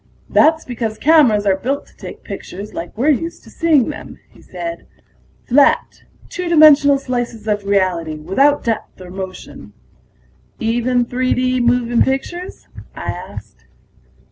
"That's because cameras are built to take pictures like we're used to seeing them," he said. "Flat, two dimensional slices of reality, without depth or motion." "Even 3 D moving pictures?" I asked.